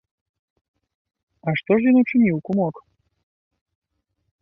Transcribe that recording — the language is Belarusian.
А што ж ён учыніў, кумок?